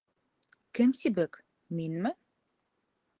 Кем сибек, минме?